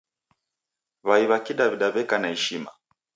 W'ai w'a kidaw'ida w'eka na ishima.